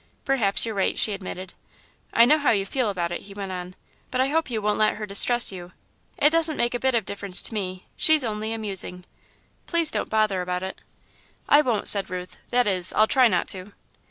"Perhaps you're right," she admitted. "I know how you feel about it," he went on, "but I hope you won't let her distress you. It doesn't make a bit of difference to me; she's only amusing. Please don't bother about it." "I won't," said Ruth, "that is, I'll try not to."